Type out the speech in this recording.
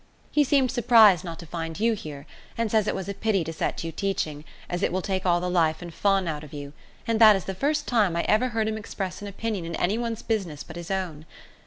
He seemed surprised not to find you here, and says it was a pity to set you teaching, as it will take all the life and fun out of you, and that is the first time I ever heard him express an opinion in any one's business but his own.